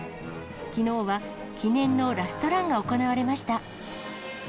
きのうは、記念のラストランが行われました。